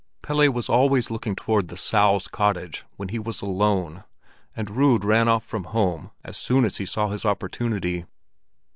Pelle was always looking toward "the Sow's" cottage when he was alone, and Rud ran off from home as soon as he saw his opportunity.